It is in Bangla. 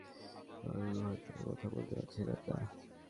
তিনি সালাম দিয়ে কয়েক মুহূর্ত বাকরুদ্ধ হয়ে কোনো কথা বলতে পারছিলেন না।